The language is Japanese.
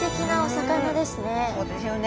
そうですよね。